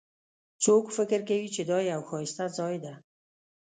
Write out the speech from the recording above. څوک فکر کوي چې دا یو ښایسته ځای ده